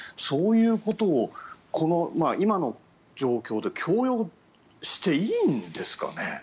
そういうことを、この今の状況で強要していいんですかね。